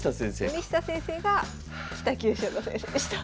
森下先生が北九州の先生でした。